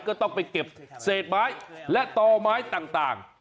ก็ต้องไปเก็บเศษไม้และต่อไม้ต่าง